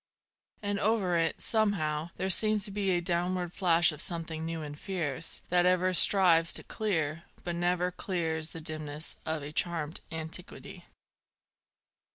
And over it, somehow, there seems to be A downward flash of something new and fierce, That ever strives to clear, but never clears The dimness of a charmed antiquity.